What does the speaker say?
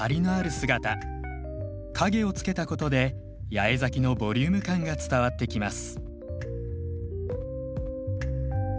影をつけたことで八重咲きのボリューム感が伝わってきます。